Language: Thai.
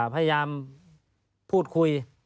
พยายามพูดคุย